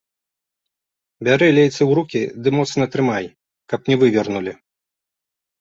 Бяры лейцы ў рукі ды моцна трымай, каб не вывернулі!